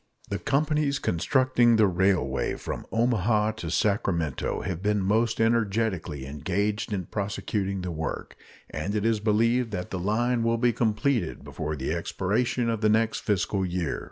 The companies constructing the railway from Omaha to Sacramento have been most energetically engaged in prosecuting the work, and it is believed that the line will be completed before the expiration of the next fiscal year.